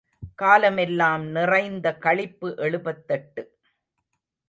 காலமெல்லாம் நிறைந்த களிப்பு எழுபத்தெட்டு.